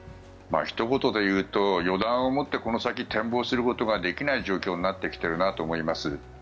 ひと言で言うと予断を持ってこの先、展望することができない状態になってきているなと思います。